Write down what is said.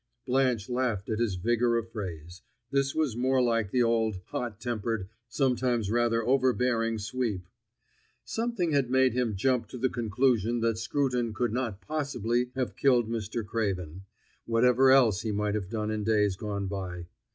Blanche laughed at his vigor of phrase; this was more like the old, hot tempered, sometimes rather overbearing Sweep. Something had made him jump to the conclusion that Scruton could not possibly have killed Mr. Craven, whatever else he might have done in days gone by.